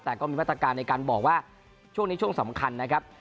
แต่ก็มีมาตรการในการบอกว่าช่วงนี้ช่วงสำคัญนะครับ